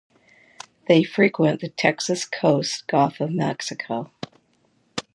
They frequent the Texas coast, Gulf of Mexico.